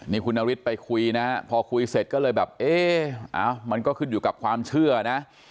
นี่คุณนฤทธิ์ไปคุยนะพอคุยเสร็จก็เลยแบบเอ๊ะมันก็ขึ้นอยู่กับความเชื่อนะ